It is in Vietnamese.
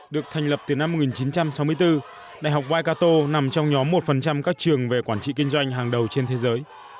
được thành lập từ năm một nghìn chín trăm sáu mươi bốn đại học bigkato nằm trong nhóm một các trường về quản trị kinh doanh hàng đầu trên thế giới